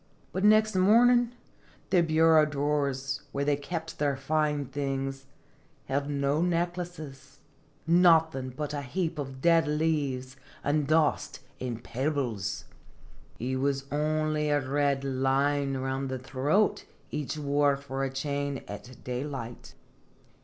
But next mornin' their bureau drawers, where they kept their fine things, held no necklaces nothin' but a heap of dead leaves, an* dust, an* pebbles !" No, it was only a red line round the throat each wore for a chain at daylight.